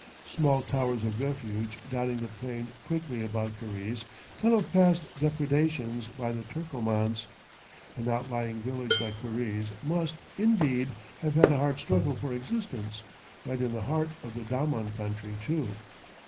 Small towers of refuge, dotting the plain thickly about Karize, tell of past depredations by the Turkomans. An outlying village like Karize must, indeed, have had a hard struggle for existence; right in the heart of the daman country, too.